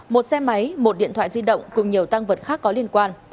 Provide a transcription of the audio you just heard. một xe máy một điện thoại di động cùng nhiều tăng vật khác có liên quan